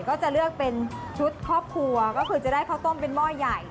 ก็จะเลือกเป็นชุดครอบครัวก็คือจะได้ข้าวต้มเป็นหม้อใหญ่